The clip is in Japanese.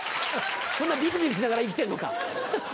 そんなビクビクしながら生きてんのか？